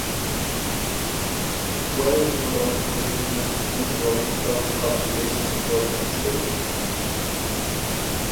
Weather Bureau in making meteorological observations four times daily.